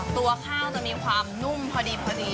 ตัวข้าวจะมีความนุ่มพอดี